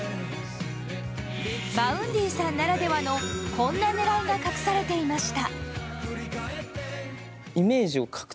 Ｖａｕｎｄｙさんならではのこんな狙いが隠されていました。